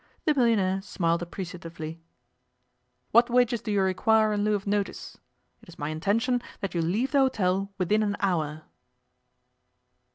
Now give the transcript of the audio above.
The millionaire smiled appreciatively. 'What wages do you require in lieu of notice? It is my intention that you leave the hotel within an hour.